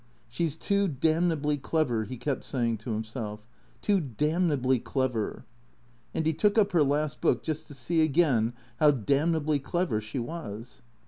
" She 's too damnably clever," he kept saying to himself, " too damnably clever/' And he took up her last book just to see again how damnably clever she was.